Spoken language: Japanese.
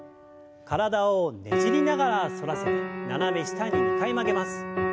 体をねじりながら反らせて斜め下に２回曲げます。